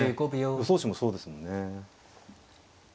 予想手もそうですもんね。